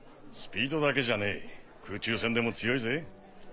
スピードだけじゃねえ空中戦でも強いぜ。